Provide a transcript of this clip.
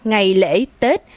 ngày lễ tết